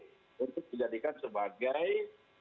untuk dijadikan sebagai